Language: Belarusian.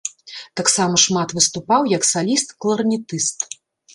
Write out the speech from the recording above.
Таксама шмат выступаў як саліст-кларнетыст.